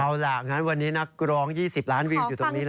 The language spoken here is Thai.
เอาล่ะงั้นวันนี้นักร้อง๒๐ล้านวิวอยู่ตรงนี้แล้ว